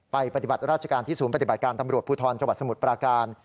ปฏิบัติราชการที่ศูนย์ปฏิบัติการตำรวจภูทรจังหวัดสมุทรปราการ